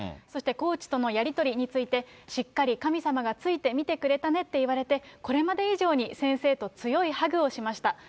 そしてコーチとのやり取りについて、しっかり神様がついて見てくれたねって言われて、これまで以上に先生と強いハグをしました。